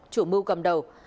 chủ mưu cầm đầu